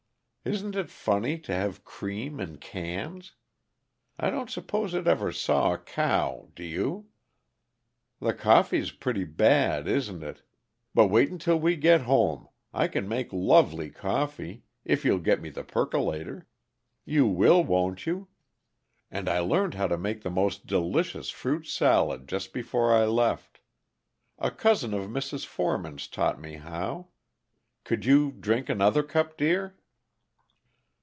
Isn't it funny, to have cream in cans! I don't suppose it ever saw a cow do you? The coffee's pretty bad, isn't it? But wait until we get home! I can make lovely coffee if you'll get me a percolator. You will, won't you? And I learned now to make the most delicious fruit salad, just before I left. A cousin of Mrs. Forman's taught me how. Could you drink another cup, dear?"